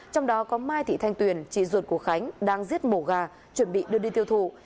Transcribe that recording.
trong đó có mai thị thanh tuyền chị ruột của khánh đang giết mổ gà chuẩn bị đưa đi tiêu thụ